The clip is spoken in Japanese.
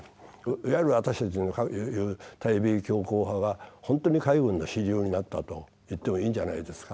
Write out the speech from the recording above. いわゆる私たちのいう対米強硬派は本当に海軍の主流になったと言ってもいいんじゃないですか。